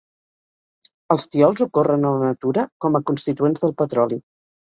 Els tiols ocorren a la natura com a constituents del petroli.